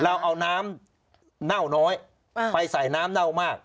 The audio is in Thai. เราเอาน้ำเน่าน้อยไปใส่น้ำเน่ามาก